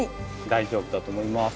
大丈夫だと思います。